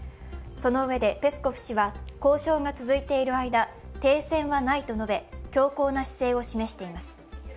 そのうえでペスコフ氏は交渉が続いている間、停戦はないと述べ、強硬な姿勢を示しています。